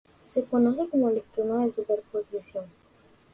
Se conoce como el esquema de "superposición".